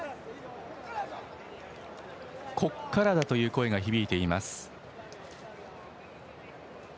ここからだという声が響いています。